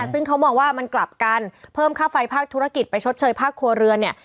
ซึ่งเขามองว่ามันกลับกันเพิ่มค่าไฟภาคธุรกิจไปชดเชยภาคครัวเรือนเนี่ย